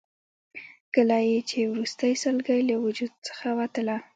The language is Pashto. کله یې چې وروستۍ سلګۍ له وجود څخه وتله.